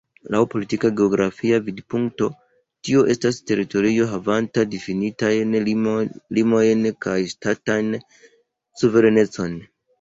Laŭ politika-geografia vidpunkto, tio estas teritorio havanta difinitajn limojn kaj ŝtatan suverenecon.